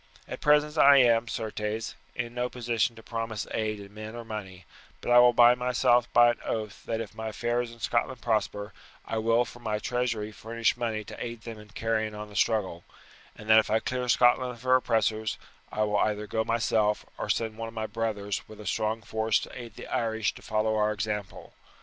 At present I am, certes, in no position to promise aid in men or money; but I will bind myself by an oath that if my affairs in Scotland prosper I will from my treasury furnish money to aid them in carrying on the struggle, and that if I clear Scotland of her oppressors I will either go myself or send one of my brothers with a strong force to aid the Irish to follow our example.